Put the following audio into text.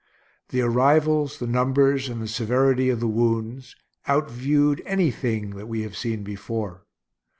The arrivals, the numbers, and the severity of the wounds, out viewed anything that we have seen before.